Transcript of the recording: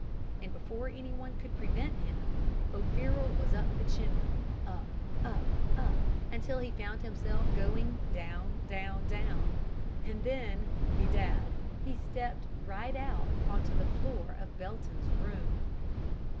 And before anyone could prevent him O'Farroll was up the chimney. Up, up, up, until he found himself going down, down, down; and then bedad he stepped right out on to the floor of Belton's room.